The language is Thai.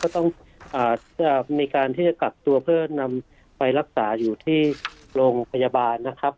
ต้องมีการที่จะกักตัวเพื่อนำไปรักษาอยู่ที่โรงพยาบาลนะครับ